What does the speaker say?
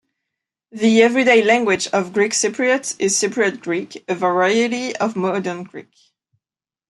The everyday language of Greek Cypriots is Cypriot Greek, a variety of Modern Greek.